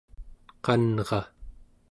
qanra